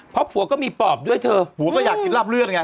เพราะผัวก็มีปอบด้วยเธอผัวก็อยากกินราบเลือดไง